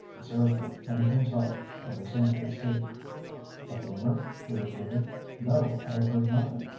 He served her and himself and resumed his seat. "A rumour?" he repeated. "No, I have heard nothing.